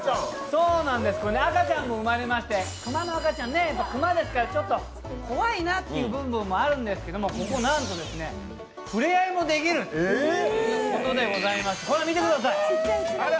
赤ちゃんも生まれまして、熊の赤ちゃん、熊ですから、怖いなっていう部分もあるんですけど、ここ、なんと触れ合いもできるということでございます。